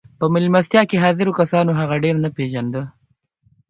په مېلمستیا کې حاضرو کسانو هغه ډېر نه پېژانده